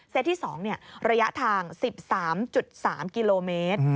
ที่๒ระยะทาง๑๓๓กิโลเมตร